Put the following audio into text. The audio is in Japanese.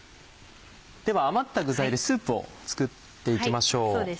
では余った具材でスープを作って行きましょう。